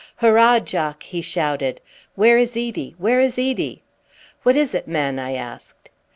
"Hurrah, Jock!" he shouted. "Where is Edie? Where is Edie?" "What is it, man?" I asked.